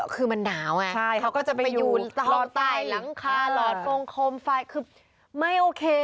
คือมันหนาวไงเขาก็จะไปอยู่หลอดใต้หลังคาหลอดฟงโคมไฟคือไม่โอเค